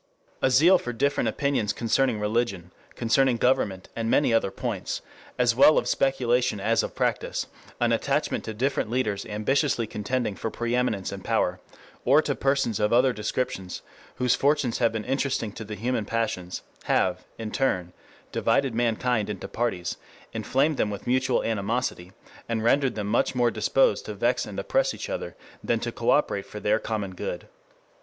A zeal for different opinions concerning religion, concerning government and many other points, as well of speculation as of practice; an attachment to different leaders ambitiously contending for preeminence and power, or to persons of other descriptions whose fortunes have been interesting to the human passions, have, in turn, divided mankind into parties, inflamed them with mutual animosity, and rendered them much more disposed to vex and oppress each other, than to coöperate for their common good.